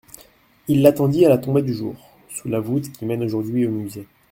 Il l'attendit à la tombée du jour sous la voûte qui mène aujourd'hui au Musée.